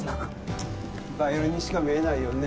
バイオリンにしか見えないよね。